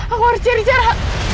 aku harus cari cara